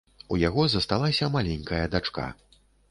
У яго засталася маленькая дачка.